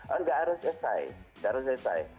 oh tidak harus si